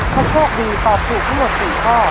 ถ้าโชคดีตอบถูกทั้งหมด๔ข้อ